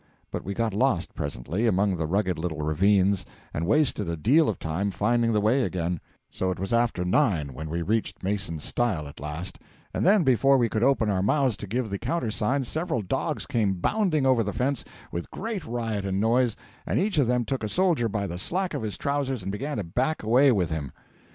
But we got lost presently among the rugged little ravines, and wasted a deal of time finding the way again, so it was after nine when we reached Mason's stile at last; and then before we could open our mouths to give the countersign, several dogs came bounding over the fence, with great riot and noise, and each of them took a soldier by the slack of his trousers and began to back away with him.